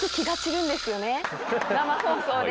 生放送で。